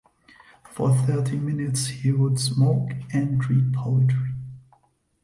For thirty minutes he would smoke and read poetry.